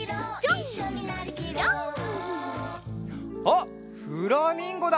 あっフラミンゴだ！